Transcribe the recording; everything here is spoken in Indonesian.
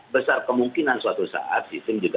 besar kemungkinan suatu saat sistem juga